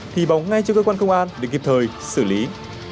thì báo ngay cho cơ quan công an để kịp thời xử lý